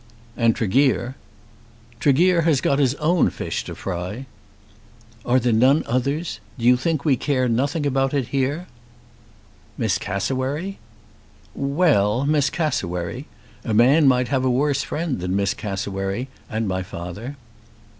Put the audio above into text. "And Tregear." "Tregear has got his own fish to fry." "Are there none others? Do you think we care nothing about it here?" "Miss Cassewary?" "Well; Miss Cassewary! A man might have a worse friend than Miss Cassewary; and my father."